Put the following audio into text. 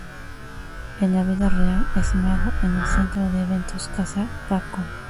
En la vida real es mago en el centro de eventos Casa Baco.